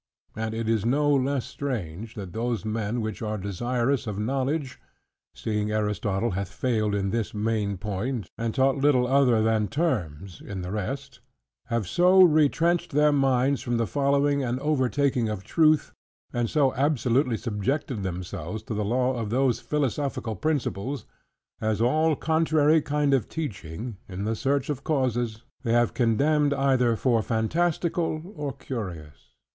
And it is no less strange, that those men which are desirous of knowledge (seeing Aristotle hath failed in this main point; and taught little other than terms in the rest) have so retrenched their minds from the following and overtaking of truth, and so absolutely subjected themselves to the law of those philosophical principles; as all contrary kind of teaching, in the search of causes, they have condemned either for phantastical, or curious.